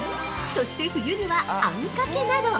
そして冬には、あんかけなど。